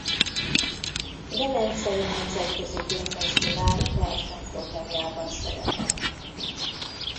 Velencei Nemzetközi Filmfesztivál versenyprogramjában szerepelt.